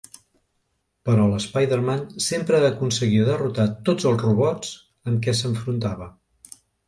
Però l'Spiderman sempre aconseguia derrotar tots els robots amb què s'enfrontava.